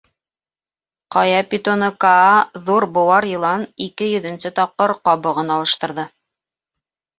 Ҡая питоны Каа — ҙур быуар йылан — ике йөҙөнсө тапҡыр ҡабығын алыштырҙы.